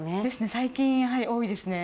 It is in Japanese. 最近やはり多いですね。